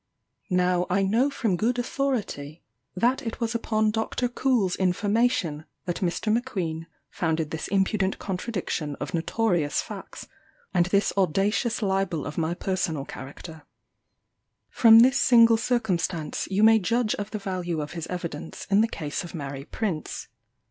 " Now I know from good authority that it was upon Dr. Coull's information that Mr. M'Queen founded this impudent contradiction of notorious facts, and this audacious libel of my personal character. From this single circumstance you may judge of the value of his evidence in the case of Mary Prince.